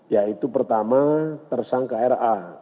yaitu pertama tersangka ra